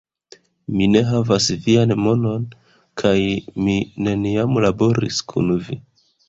Mi ne havas vian monon kaj mi neniam laboris kun vi!